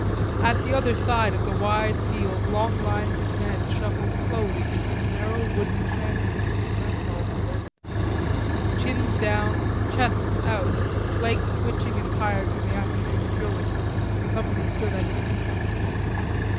At the other side of the wide field long lines of men shuffled slowly into the narrow wooden shanty that was the mess hall. Chins down, chests out, legs twitching and tired from the afternoon's drilling, the company stood at attention.